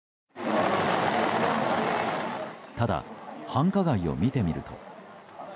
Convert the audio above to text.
ただ、繁華街を見てみると。